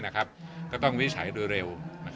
ก็ต้องวิจัยโดยเร็ว